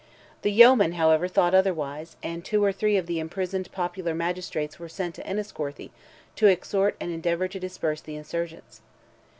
The yeomen, however, thought otherwise, and two of the three imprisoned popular magistrates were sent to Enniscorthy to exhort and endeavour to disperse the insurgents.